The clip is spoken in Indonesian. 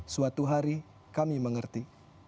suatu hari kami mengerti